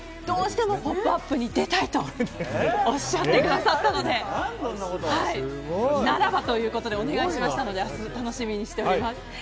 どうしても「ポップＵＰ！」に出たいとおっしゃってくださったのでならば！ということでお願いしましたので明日、楽しみにしております。